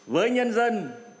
với nhân dân